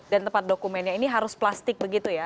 tempat dokumennya ini harus plastik begitu ya